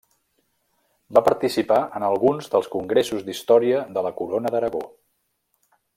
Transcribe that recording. Va participar en alguns dels Congressos d'Història de la Corona d'Aragó.